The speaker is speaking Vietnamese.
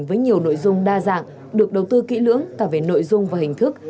với nhiều nội dung đa dạng được đầu tư kỹ lưỡng cả về nội dung và hình thức